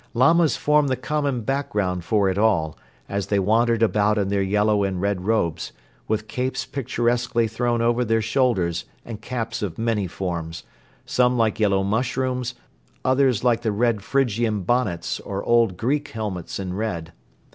Lamas formed the common background for it all, as they wandered about in their yellow and red robes, with capes picturesquely thrown over their shoulders and caps of many forms, some like yellow mushrooms, others like the red Phrygian bonnets or old Greek helmets in red.